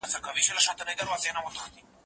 زه پرون تمرين کوم؟